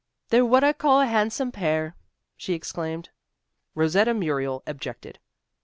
"They're what I call a handsome pair," she exclaimed. Rosetta Muriel objected.